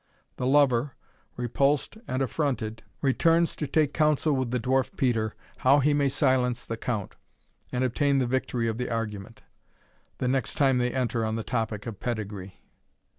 The lover, repulsed and affronted, returns to take counsel with the Dwarf Peter, how he may silence the count, and obtain the victory in the argument, the next time they enter on the topic of pedigree.